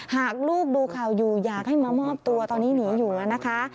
หากลูกดูข่าวอยู่อยากให้มามอบตัวตอนนี้หนีอยู่นะคะ